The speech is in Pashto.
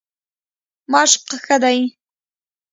مشق ښه دی.